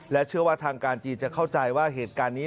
เชื่อว่าทางการจีนจะเข้าใจว่าเหตุการณ์นี้